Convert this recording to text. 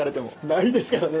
ないですからね